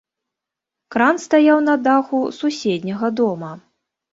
Кран стаяў на даху суседняга дома.